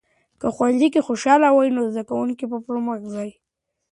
که ښوونځي کې خوشالي وي، نو زده کوونکي به پرمخ ځي.